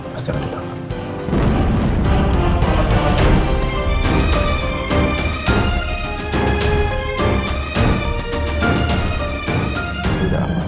pasti akan ditangkap